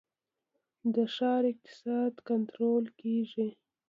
د ښکار اقتصاد کنټرول کیږي